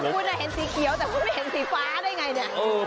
คุณแบบเมื่อเห็นสีเขียวแต่ไม่เห็นสีฟ้าได้ไงเนี่ย